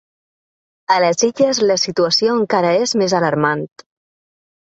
A les Illes la situació encara és més alarmant.